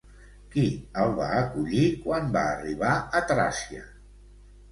Qui el va acollir quan va arribar a Tràcia?